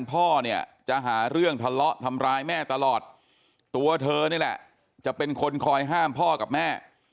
พ่อเนี่ยจะหาเรื่องทะเลาะทำร้ายแม่ตลอดตัวเธอนี่แหละจะเป็นคนคอยห้ามพ่อกับแม่